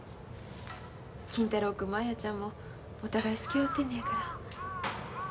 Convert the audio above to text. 金太郎君も綾ちゃんもお互い好き合うてんのやから。